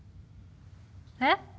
えっ？